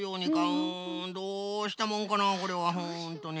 うんどうしたもんかなこれはホントに。